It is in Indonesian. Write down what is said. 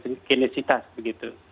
tingkat imunisitas begitu